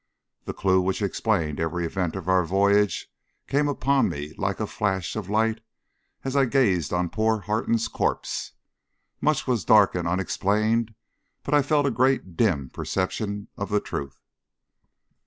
The clue which explained every event of our voyage came upon me like a flash of light as I gazed on poor Harton's corpse. Much was dark and unexplained, but I felt a great dim perception of the truth.